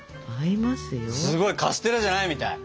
すごいカステラじゃないみたい。